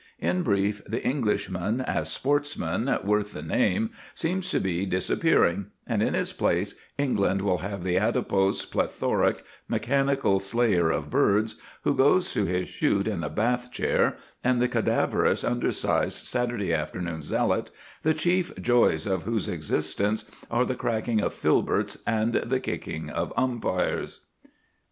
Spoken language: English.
In brief, the Englishman as sportsman worth the name seems to be disappearing; and in his place England will have the adipose, plethoric, mechanical slayer of birds who goes to his shoot in a bath chair, and the cadaverous, undersized, Saturday afternoon zealot, the chief joys of whose existence are the cracking of filberts and the kicking of umpires.